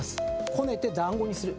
捏ねて団子にする。